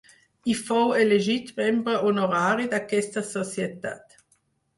I fou elegit membre honorari d'aquesta Societat.